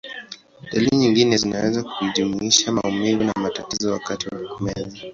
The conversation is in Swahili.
Dalili nyingine zinaweza kujumuisha maumivu na matatizo wakati wa kumeza.